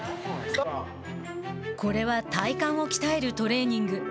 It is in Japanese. これは体幹を鍛えるトレーニング。